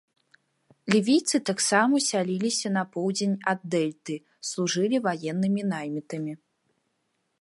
Лівійцы таксама сяліліся на поўдзень ад дэльты, служылі ваеннымі наймітамі.